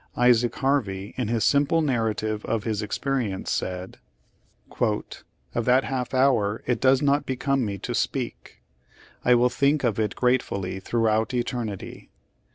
Isaac Harvey, in his simple narrative of his experience, said : "Of that half hour it does not become me to speak. I will think of it gratefully throughout eternity.